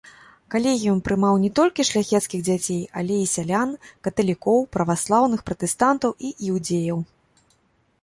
Калегіум прымаў не толькі шляхецкіх дзяцей, але і сялян, каталікоў, праваслаўных, пратэстантаў і іўдзеяў.